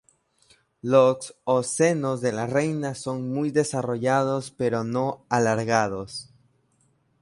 Los ocelos de la reina son son muy desarrollados pero no alargados.